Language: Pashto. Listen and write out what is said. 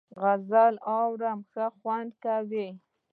غزل اورم ښه خوند کوي .